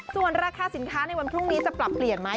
ส่วนราคาสินค้าในวันพรุ่งนี้จะปรับเปลี่ยนไหม